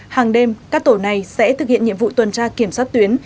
hàng đêm các tổ này sẽ thực hiện nhiệm vụ tuần tra kiểm soát tuyến